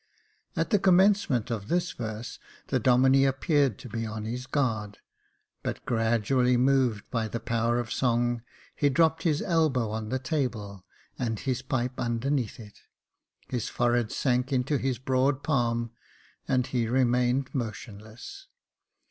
At the commencement of this verse, the Domine ap peared to be on his guard j but gradually moved by the power of song, he dropped his elbow on the table, and his pipe underneath it ; his forehead sank into his broad palm, and he remained motionless.